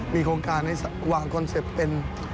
มีโครงการให้วางคอนเซ็ปต์เป็น